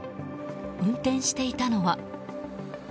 運転していたのは。